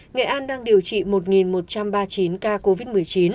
nghệ an đang điều trị một một trăm ba mươi chín ca covid một mươi chín